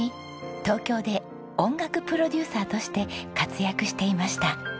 東京で音楽プロデューサーとして活躍していました。